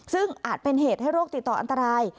ซึ่งอาจเป็นเหตุให้โรคติดต่ออันตราย